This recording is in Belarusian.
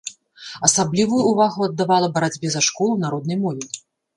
Асаблівую ўвагу аддавала барацьбе за школу на роднай мове.